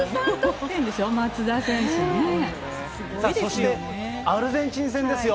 そしてアルゼンチン戦ですよ。